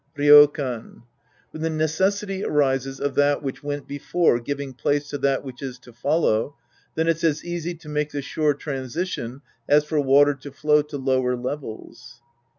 Ryokan. When the necessity arises of that which went before giving place to that which is to follow, then it's as easy to make the sure transition as for water to flow to lower levels.